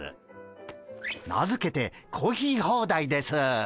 名付けてコーヒーホーダイです！